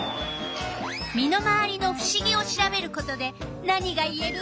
身の回りのふしぎを調べることで何がいえる？